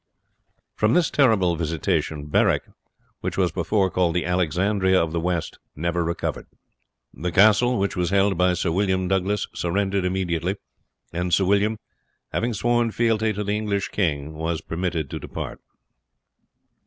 From this terrible visitation Berwick, which was before called the Alexandria of the West, never recovered. The castle, which was held by Sir William Douglas, surrendered immediately; and Sir William, having sworn fealty to the English king, was permitted to depart.